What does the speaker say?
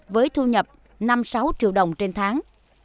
với thu nhập năm sáu triệu đồng trên tháng